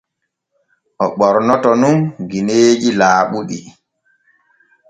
O ɓornoto nun gineeji laaɓuɗi.